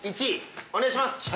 １位お願いします。